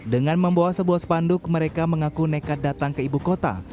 dengan membawa sebuah spanduk mereka mengaku nekat datang ke ibu kota